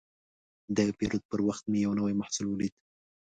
د پیرود پر وخت مې یو نوی محصول ولید.